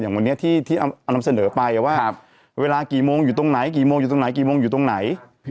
วันนี้ที่นำเสนอไปว่าเวลากี่โมงอยู่ตรงไหนกี่โมงอยู่ตรงไหนกี่โมงอยู่ตรงไหน